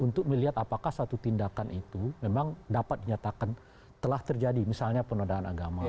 untuk melihat apakah satu tindakan itu memang dapat dinyatakan telah terjadi misalnya penodaan agama